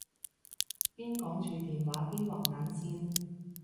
邊講住電話邊畫眼線